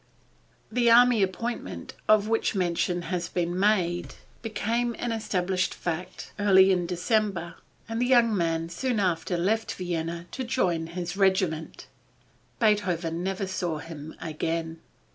The army appointment, of which mention has been made, became an established fact early in December, and the young man soon after left Vienna to join his regiment. Beethoven never saw him again.